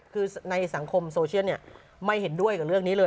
คือในสังคมโซเชียลไม่เห็นด้วยกับเรื่องนี้เลย